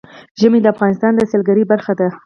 ژمی د افغانستان د سیلګرۍ برخه ده.